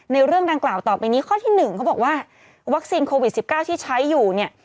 ในเรื่องการกล่าวต่อไปนี้ข้อที่หนึ่งเขาบอกว่าวัคซินโควิดสิบเก้าที่ใช้อยู่เนี่ย